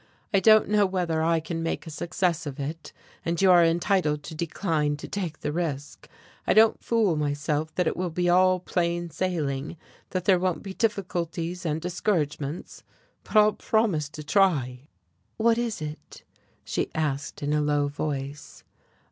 I don't know whether I can make a success of it, and you are entitled to decline to take the risk. I don't fool myself that it will be all plain sailing, that there won't be difficulties and discouragements. But I'll promise to try." "What is it?" she asked, in a low voice.